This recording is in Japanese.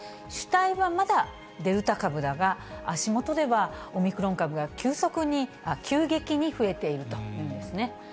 主体はまだデルタ株だが、足元ではオミクロン株が急激に増えているというんですね。